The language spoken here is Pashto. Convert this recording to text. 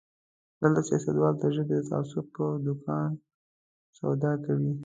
دلته سياستوال د ژبې د تعصب په دوکان سودا کوي.